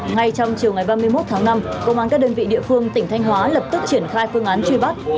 ngay trong chiều ngày ba mươi một tháng năm công an các đơn vị địa phương tỉnh thanh hóa lập tức triển khai phương án truy bắt